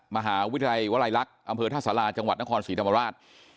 มหาวิทยาลัยวลัยลักษณ์อำเภอท่าสาราจังหวัดนครศรีธรรมราช